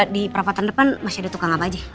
di perapatan depan masih ada tukang apa aja